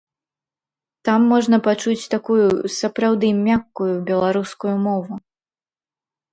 Там можна пачуць такую сапраўды мяккую беларускую мову.